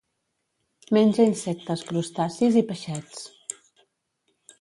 Menja insectes, crustacis i peixets.